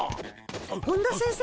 本田先生